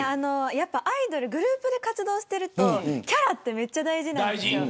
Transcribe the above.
グループで活動しているとキャラってめっちゃ大事なんですよ。